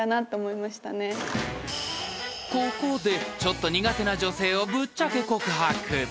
［ここでちょっと苦手な女性をぶっちゃけ告白］